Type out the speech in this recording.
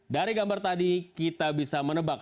dari gambar tadi kita bisa menebak